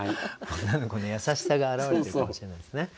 女の子の優しさが表れてるかもしれないですね。